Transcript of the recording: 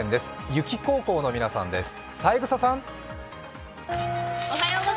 油木高校の皆さんです。